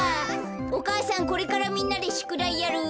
お母さんこれからみんなでしゅくだいやる。